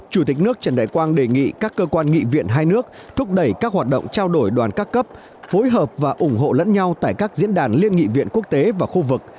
chủ tịch nước trần đại quang đề nghị các cơ quan nghị viện hai nước thúc đẩy các hoạt động trao đổi đoàn các cấp phối hợp và ủng hộ lẫn nhau tại các diễn đàn liên nghị viện quốc tế và khu vực